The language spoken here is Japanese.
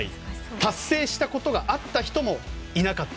達成したことがあった人もいなかった。